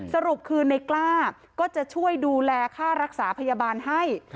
สรุปคือในกล้าก็จะช่วยดูแลค่ารักษาพยาบาลให้